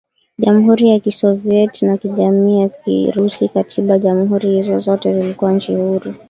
Jamhuri ya Kisovyiet ya Kijamii ya KirusiKikatiba jamhuri hizo zote zilikuwa nchi huru